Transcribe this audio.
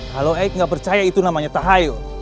kalau eik gak percaya itu namanya tahayu